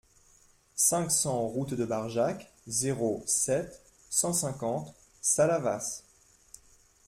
cinq cents route de Barjac, zéro sept, cent cinquante Salavas